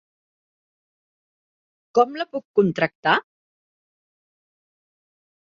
Com la puc contractar?